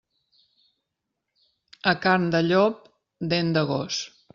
A carn de llop, dent de gos.